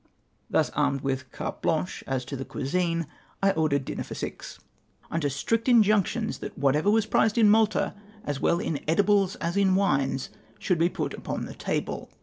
Thus armed with carte hlanche as to the cuisine, I ordered dumer for six ; under strict injunctions that whatever was prized in Malta, as well in edibles as in wines, should be put upon the table.